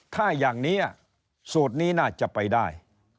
ถ้าอย่างนี้สูตรนี้น่าจะไปได้